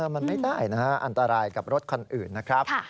มันไม่ได้นะฮะอันตรายกับรถคันอื่นนะครับ